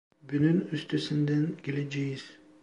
Bunun üstesinden geleceğiz.